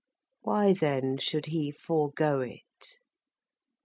Why then should he forego it?